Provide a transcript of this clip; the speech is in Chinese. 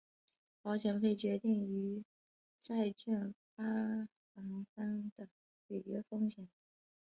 保险费决定于债券发行方的违约风险。